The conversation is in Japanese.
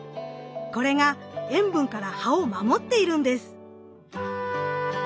これが塩分から葉を守っているんです！